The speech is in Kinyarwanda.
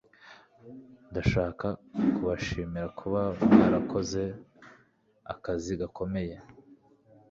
Ndashaka kubashimira kuba mwarakoze akazi gakomeye